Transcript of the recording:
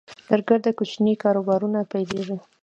درګرده کوچني کاروبارونه پیلېږي